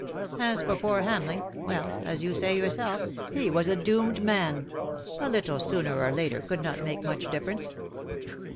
As for poor Hamleigh; well, as you say yourself, he was a doomed man — a little sooner or later could not make much difference."